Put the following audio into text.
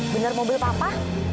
bener mobil papa